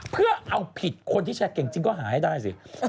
เพื่อเอาผิดคนที่แชร์เก่งจริงก็หาให้ได้สิ